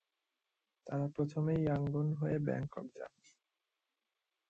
তারা প্রথমে ইয়াঙ্গুন হয়ে ব্যাংকক যান।